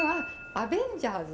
アベンジャーズ？